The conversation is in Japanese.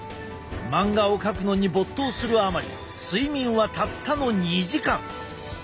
漫画を描くのに没頭するあまり睡眠はたったの２時間。